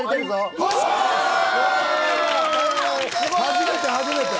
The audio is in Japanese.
初めて初めて。